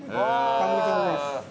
完成です。